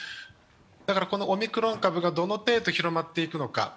だからこのオミクロン株がどの程度広まっていくのか。